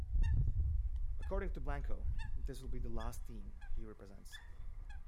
According to Blanco, this will be the last team he represents.